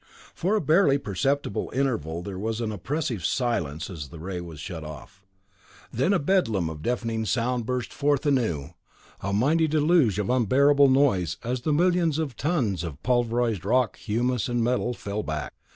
For a barely perceptible interval there was an oppressive silence as the ray was shut off. Then a bedlam of deafening sound burst forth anew, a mighty deluge of unbearable noise as the millions of tons of pulverized rock, humus and metal fell back.